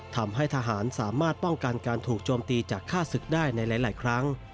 ทำให้ทหารสามารถป้องกันการถูกโจมตีจากฆ่าศึกได้ในหลายครั้ง